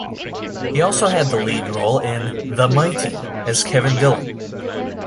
He also had the lead role in "The Mighty" as Kevin Dillon.